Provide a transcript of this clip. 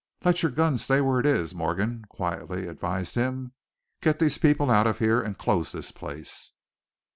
"Let your gun stay where it is," Morgan quietly advised him. "Get these people out of here, and close this place."